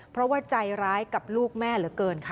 เพราะว่าใจร้ายกับลูกแม่เหลือเกินค่ะ